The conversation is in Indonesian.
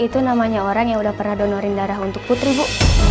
itu namanya orang yang udah pernah donorin darah untuk putri bu